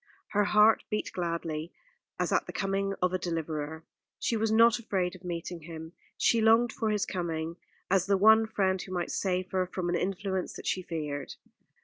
Her heart beat gladly, as at the coming of a deliverer. She was not afraid of meeting him. She longed for his coming, as the one friend who might save her from an influence that she feared.